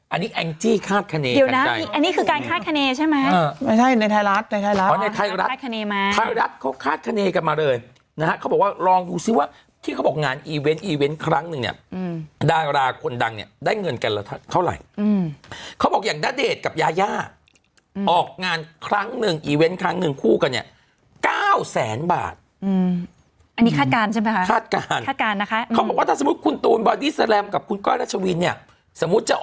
อันนี้แองจี้คาดคณีกันใกล้อืมอืมอืมอืมอืมอืมอืมอืมอืมอืมอืมอืมอืมอืมอืมอืมอืมอืมอืมอืมอืมอืมอืมอืมอืมอืมอืมอืมอืมอืมอืมอืมอืมอืมอืมอืมอืมอืมอืมอืมอืมอืมอืมอืมอืมอืมอืมอืมอื